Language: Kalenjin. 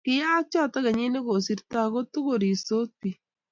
kiyaaka choto kenyit ne kosirtoi aku tuku rirsot biik